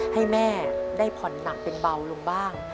ให้แม่ได้ผ่อนหนักเป็นเบาลงบ้าง